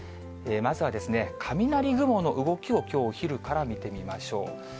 まずは、雷雲の動きをきょうお昼から見てみましょう。